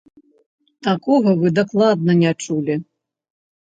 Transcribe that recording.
Такога вы дакладна не чулі!